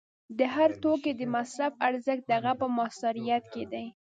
د هر توکي د مصرف ارزښت د هغه په موثریت کې دی